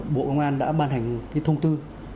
bộ công an đã ban hành thông tư